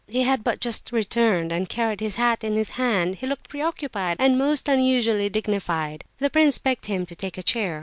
He had but just returned, and carried his hat in his hand. He looked preoccupied and most unusually dignified. The prince begged him to take a chair.